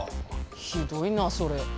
ひどいなそれ。